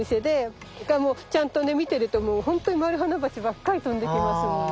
だからもうちゃんとね見てるともうほんとにマルハナバチばっかり飛んできますもんね。